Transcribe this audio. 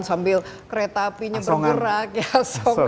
sambil kereta apinya bergerak gesong